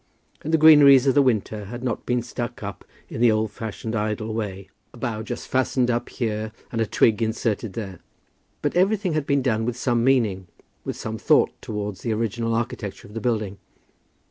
And the greeneries of the winter had not been stuck up in the old fashioned, idle way, a bough just fastened up here and a twig inserted there; but everything had been done with some meaning, with some thought towards the original architecture of the building.